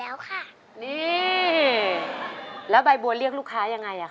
แล้วน้องใบบัวร้องได้หรือว่าร้องผิดครับ